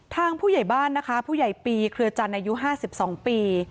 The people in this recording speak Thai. ทางผู้ใหญ่บ้านนะคะผู้ใหญ่ปีเครือจันทร์อายุ๕๒ปี